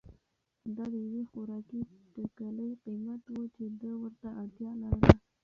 دا د یوې خوراکي ټکلې قیمت و چې ده ورته اړتیا لرله.